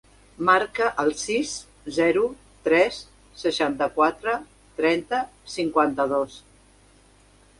Marca el sis, zero, tres, seixanta-quatre, trenta, cinquanta-dos.